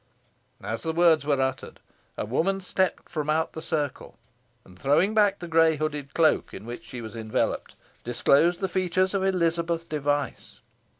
As the words were uttered, a woman stepped from out the circle, and throwing back the grey hooded cloak in which she was enveloped, disclosed the features of Elizabeth Device.